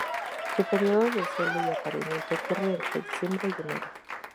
Su período de celo y apareamiento ocurre entre diciembre y enero.